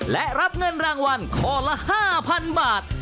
และรับเงินรางวัลข้อละ๕๐๐๐บาท